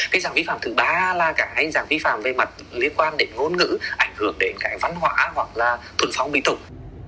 cái giảng vi phạm thứ ba là cái giảng vi phạm về mặt liên quan đến ngôn ngữ ảnh hưởng đến cái văn hóa hoặc là thuận phong bị tục